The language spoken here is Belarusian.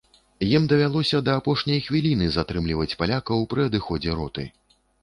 Ім давялося да апошняй хвіліны затрымліваць палякаў пры адыходзе роты.